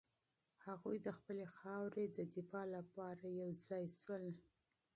هغوی د خپلې خاورې د دفاع لپاره متحد شول.